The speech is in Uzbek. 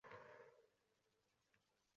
Usmon Nosir, Usmon Nosir..